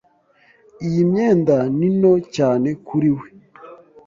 Iyi myenda ni nto cyane kuri we.